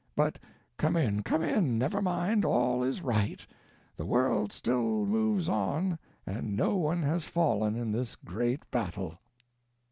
But come in, come in, never mind, all is right the world still moves on, and no one has fallen in this great battle."